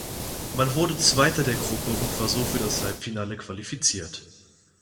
Man wurde Zweiter der Gruppe und war so für das Halbfinale qualifiziert.